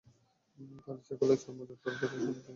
তাঁরা ইচ্ছা করলেই চাল মজুত করে বাজারে সংকট সৃষ্টি করতে পারেন।